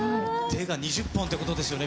手が２０本っていうことです